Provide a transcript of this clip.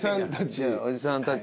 おじさんたち。